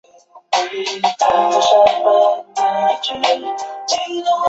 裴行俭人。